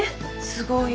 すごい。